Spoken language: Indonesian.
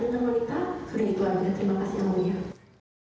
menurut wanita sudah itu aja terima kasih yang beliau